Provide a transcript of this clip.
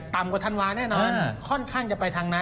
กว่าธันวาแน่นอนค่อนข้างจะไปทางนั้น